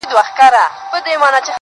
څومره چي يې مينه كړه.